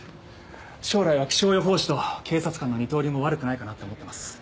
将来は気象予報士と警察官の二刀流も悪くないかなって思ってます。